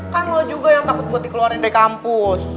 kan lo juga yang takut buat dikeluarin dari kampus